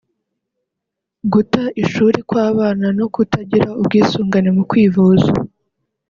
guta ishuri kw’abana no kutagira ubwisungane mu kwivuza